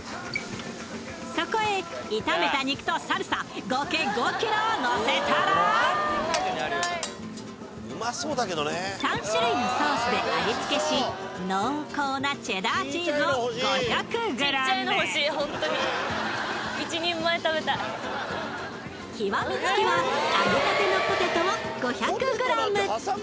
そこへ炒めた肉とサルサ合計５ｋｇをのせたら３種類のソースで味付けし濃厚なチェダーチーズを５００ｇ極め付きは揚げたてのポテトを５００ｇ